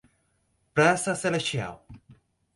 Praça celestial